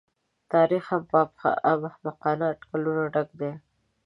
تاریخ هم په احمقانه اټکلونو ډک دی.